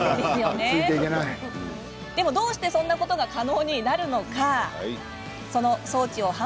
でもどうして、そんなことが可能になるんでしょうか？